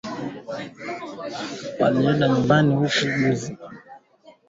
Kushuka kwa uzalishaji wa maziwa ni dalili za ugonjwa wa ndorobo